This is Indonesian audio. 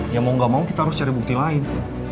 ya mau gak mau kita harus cari bukti lain